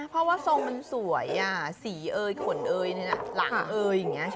เพราะว่าทรงมันสวยสีเอยขนเอยหลังเอย